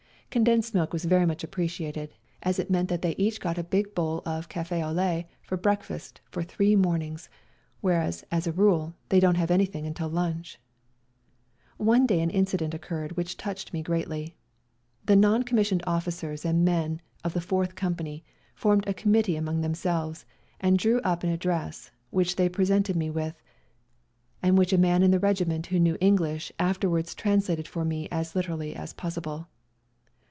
Condensed milk was very much appreciated, as it meant that they each got a big bowl of cafe au lait for breakfast for three morn ings, whereas, as a rule, they don't have anything until lunch. One day an incident occurred which touched me very greatly. The non com missioned officers and men of the Fourth Company formed a committee among themselves and drew up an address, which they presented me with, and which a man in the regiment who knew English WE GO TO CORFU 225 afterwards translated for me as literally as possible.